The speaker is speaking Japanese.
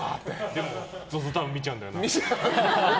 でもＺＯＺＯタウン見ちゃうんだよな。